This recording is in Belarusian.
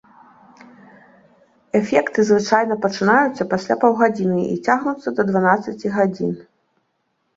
Эфекты звычайна пачынаюцца пасля паўгадзіны і цягнуцца да дванаццаці гадзін.